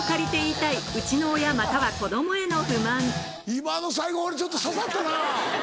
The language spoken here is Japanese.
今の最後俺ちょっと刺さったな。